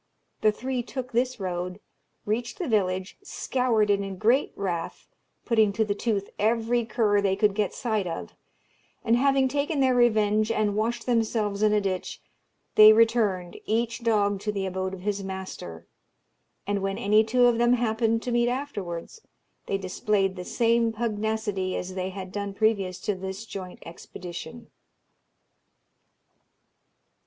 The three took this road, reached the village, scoured it in great wrath, putting to the tooth every cur they could get sight of; and having taken their revenge, and washed themselves in a ditch, they returned, each dog to the abode of his master; and, when any two of them happened to meet afterwards, they displayed the same pugnacity as they had done previous to this joint expedition.